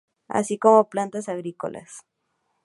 Así como plantas agrícolas.